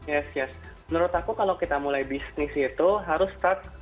yes yes menurut aku kalau kita mulai bisnis itu harus start